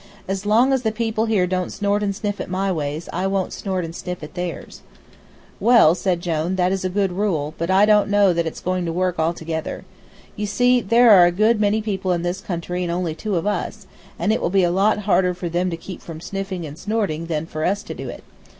As long as the people here don't snort and sniff at my ways I won't snort and sniff at theirs." "Well," said Jone, "that is a good rule, but I don't know that it's going to work altogether. You see, there are a good many people in this country and only two of us, and it will be a lot harder for them to keep from sniffing and snorting than for us to do it.